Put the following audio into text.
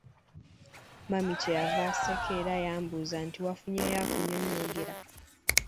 Mami kye yava aseka era yambuuza nti, "wafunyeeyo akunyonyoogera?"